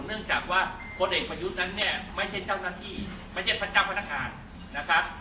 เนื่องจากว่าคนเอกพยุทธนั้นไม่ใช่เจ้าหน้าที่ไม่ใช่พศนะครับ